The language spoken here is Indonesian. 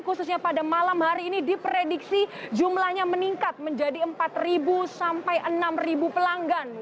khususnya pada malam hari ini diprediksi jumlahnya meningkat menjadi empat sampai enam pelanggan